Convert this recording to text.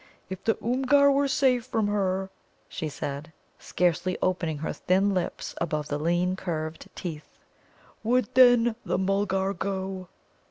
"If the Oomgar were safe from her," she said, scarcely opening her thin lips above the lean curved teeth, "would then the little Mulgar go?"